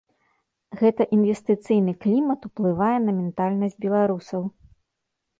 Гэта інвестыцыйны клімат уплывае на ментальнасць беларусаў.